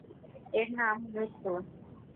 এর নাম মৃত্যু!